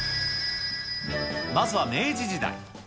まずは明治時代。